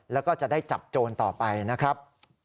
แล้วก็จะได้จับโจรต่อไปนะครับ